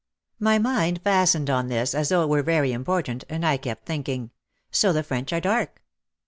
My mind fastened on this as though it were very important and I kept thinking, "So the French are dark!"